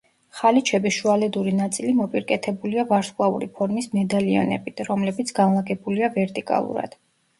ხალიჩების შუალედური ნაწილი მოპირკეთებულია ვარსკვლავური ფორმის მედალიონებით, რომლებიც განლაგებულია ვერტიკალურად.